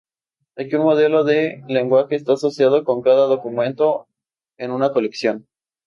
Aquí un modelo del lenguaje está asociado con cada documento en una colección.